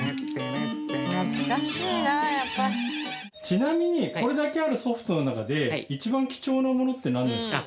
ちなみにこれだけあるソフトの中で一番貴重なものってなんですか？